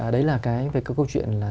đấy là cái về câu chuyện là